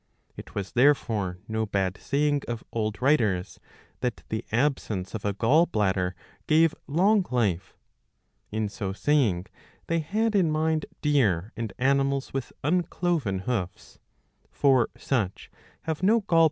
^^ It was therefore no bad saying of old writers that the aUsence of a gall bladder gave long life. In so saying they had in mind deer and animals with uncloven hoofs. For such have no 677a. IV, 2 — ly.